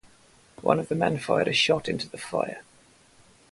One of the men fired a shot into the fire.